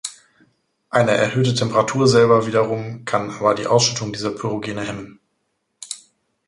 Eine erhöhte Temperatur selber wiederum kann aber die Ausschüttung dieser Pyrogene hemmen.